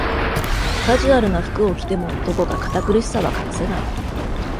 カジュアルな服を着ても、どこか堅苦しさは隠せない